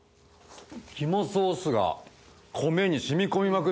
肝ソースが米に染み込みまくってる。